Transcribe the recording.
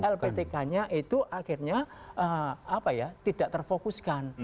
lptknya itu akhirnya tidak terfokuskan